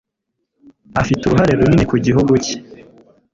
Afite uruhare runini ku gihugu cye